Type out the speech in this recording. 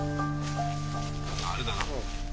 あれだな。